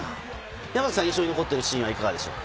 山崎さん、印象に残ってるシーンはどうでしょう？